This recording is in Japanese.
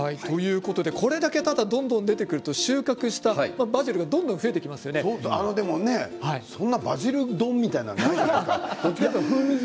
これだけやると収穫したバジルがでも、そんなバジル丼みたいなのはないじゃないですか。